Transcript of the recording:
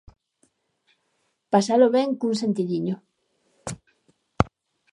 Pasalo ben con sentidiño.